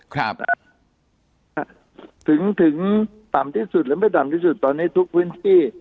ครับนะฮะถึงถึงต่ำที่สุดหรือไม่ต่ำที่สุดตอนนี้ทุกพื้นที่